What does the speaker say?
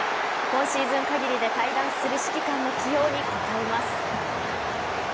今シーズン限りで退団する指揮官の起用に応えます。